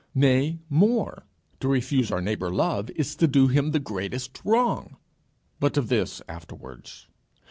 Nay more, to refuse our neighbour love, is to do him the greatest wrong. But of this afterwards.